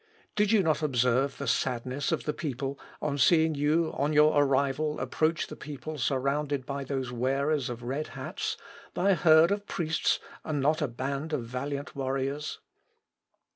Did you not observe the sadness of the people on seeing you on your arrival approach the people surrounded by those wearers of red hats, by a herd of priests and not a band of valiant warriors?